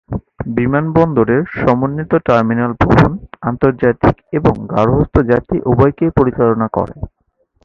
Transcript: বিমানবন্দরের সমন্বিত টার্মিনাল ভবন আন্তর্জাতিক এবং গার্হস্থ্য যাত্রী উভয়কেই পরিচালনা করে।